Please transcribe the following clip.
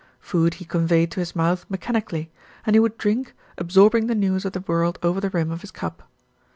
Food he conveyed to his mouth mechani cally, and he would drink, absorbing the news of the world over the rim of his cup.